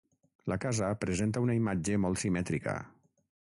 La casa presenta una imatge molt simètrica.